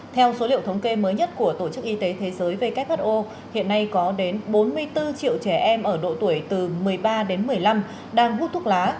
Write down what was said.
theo số liệu thống kê mới nhất của tổ chức y tế thế giới who hiện nay có đến bốn mươi bốn triệu trẻ em ở độ tuổi từ một mươi ba đến một mươi năm đang hút thuốc lá